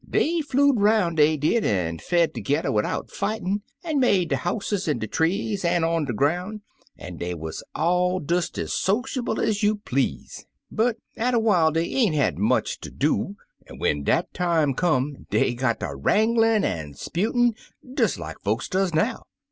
Dey flew'd 'roun', dey did, an' fed tergedder widout fightin', an' made der houses in de trees an' on de groun', an' dey wuz all des ez sociable ez you please. But atter while dey ain't had much ter do, an' when dat time come dey got ter wranglin* an' 'sputin', des like folks does now.